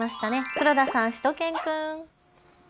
黒田さん、しゅと犬くん。